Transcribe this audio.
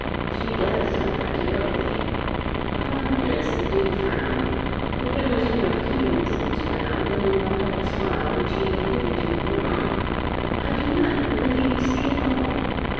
She does suffer terribly." Upon this the Duke frowned, but there was more of tenderness in his frown than in the hard smile which he had hitherto worn. "I do not know whether you see it all."